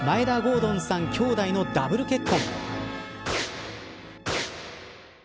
敦さん兄弟のダブル結婚。